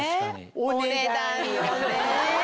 お値段よね。